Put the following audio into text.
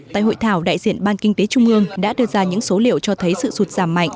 tại hội thảo đại diện ban kinh tế trung ương đã đưa ra những số liệu cho thấy sự sụt giảm mạnh